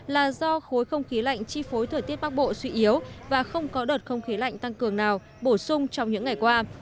là do khối không khí lạnh chi phối thời tiết bắc bộ suy yếu và không có đợt không khí lạnh tăng cường nào bổ sung trong những ngày qua